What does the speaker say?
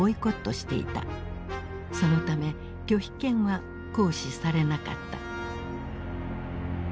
そのため拒否権は行使されなかった。